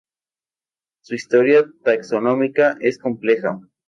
Su historia taxonómica es compleja.